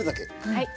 はい。